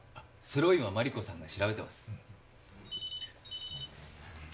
それを今マリコさんが調べてます。